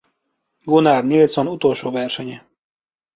Gunnar Nilsson utolsó versenye.